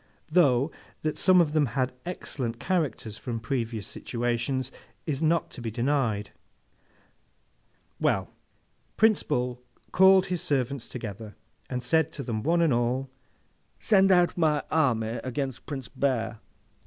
Though, that some of them had excellent characters from previous situations is not to be denied. Well; Prince Bull called his servants together, and said to them one and all, 'Send out my army against Prince Bear.